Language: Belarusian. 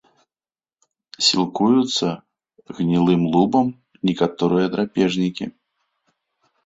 Сілкуюцца гнілым лубам, некаторыя драпежнікі.